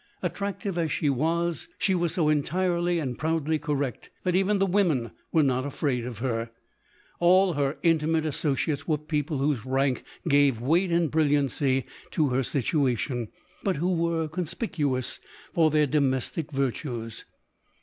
Attractive as she v. she was so entirely and proudly correct, that even the women were not afraid of her. All her intimate associates were people whose rank gave weight and brilliancy to her situation, but who were conspicuous for their domestic virtues.